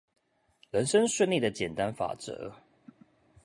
人生順利的簡單法則